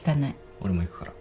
俺も行くから。